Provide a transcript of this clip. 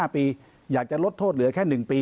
๕ปีอยากจะลดโทษเหลือแค่๑ปี